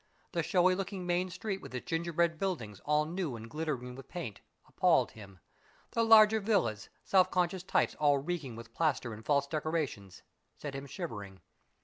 The showy looking main street with its gingerbread buildings, all new and glittering with paint, appalled him. The larger villas self conscious types all reeking with plaster and false decorations set him shivering.